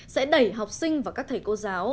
sẽ đẩy học sinh và các thầy cô giáo